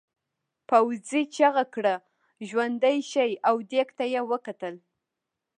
پوځي چیغه کړه ژوندي شئ او دېگ ته یې وکتل.